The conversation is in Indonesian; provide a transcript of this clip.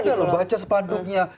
ada loh baca sepanduknya